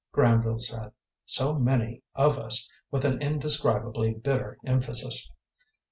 Granville said "so many of us" with an indescribably bitter emphasis.